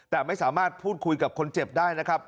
แต่ไม่สามารถพูดคุยกับคนเจ็บได้นะครับ